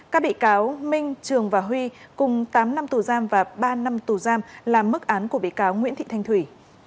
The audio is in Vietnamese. các bị cáo minh trường và huy cùng tám năm tù giam và ba năm tù giam là mức án của bị cáo nguyễn thị thanh thủy